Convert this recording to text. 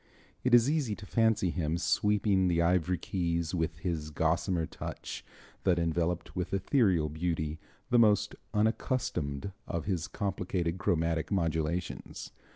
It is easy to fancy him sweeping the ivory keys with his gossamer touch that enveloped with ethereal beauty the most unaccustomed of his complicated chromatic modulations.